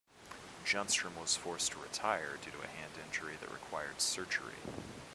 Junstrom was forced to retire due to a hand injury, that required surgery.